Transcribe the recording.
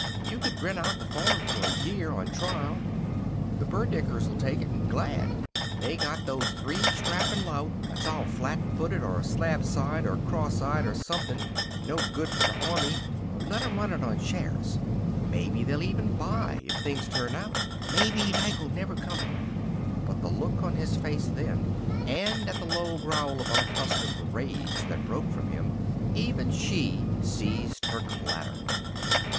You could rent out the farm for a year, on trial. The Burdickers'd take it, and glad. They got those three strappin' louts that's all flat footed or slab sided or cross eyed or somethin', and no good for the army. Let them run it on shares. Maybe they'll even buy, if things turn out. Maybe Dike'll never come b " But at the look on his face then, and at the low growl of unaccustomed rage that broke from him, even she ceased her clatter.